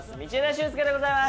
駿佑でございます。